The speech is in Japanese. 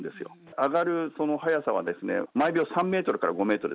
上がるその速さは毎秒３メートルから５メートル。